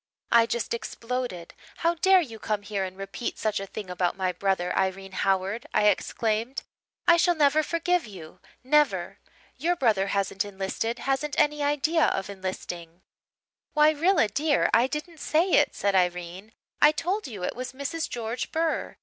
"I just exploded. 'How dare you come here and repeat such a thing about my brother, Irene Howard?' I exclaimed. 'I shall never forgive you never. Your brother hasn't enlisted hasn't any idea of enlisting.' "'Why Rilla, dear, I didn't say it,' said Irene. 'I told you it was Mrs. George Burr.